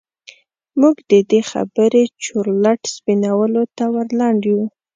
موږ د دې خبرې چورلټ سپينولو ته ور لنډ يوو.